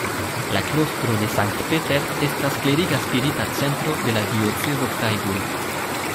La klostro de St. Peter estas kleriga Spirita Centro de la diocezo Freiburg.